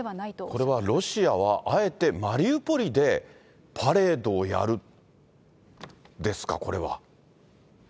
これはロシアは、あえてマリウポリでパレードをやるんですか、これは。